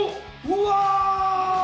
うわ！